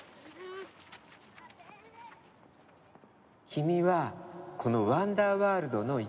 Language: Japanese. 君はこのワンダーワールドの一部。